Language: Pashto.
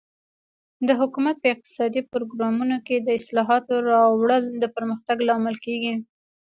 د حکومت په اقتصادي پروګرامونو کې د اصلاحاتو راوړل د پرمختګ لامل کیږي.